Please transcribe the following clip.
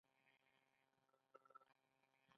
آیا د کور ستونزه باید له کوره ونه وځي؟